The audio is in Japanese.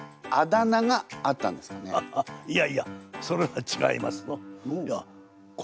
いやいやそれはちがいますぞ。